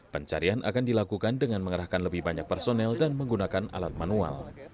pencarian akan dilakukan dengan mengerahkan lebih banyak personel dan menggunakan alat manual